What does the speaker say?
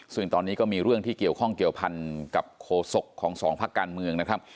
ซึ่งตอนนี้ก็มีเรื่องที่เกี่ยวข้องเกี่ยวพันกับโฆษกของสองพักการเมืองนะครับ